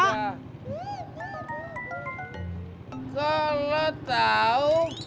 kok lo tau